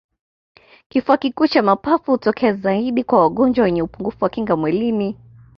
kifua kikuu cha mapafu hutokea zaidi kwa wagonjwa wenye upungufu wa kinga mwilini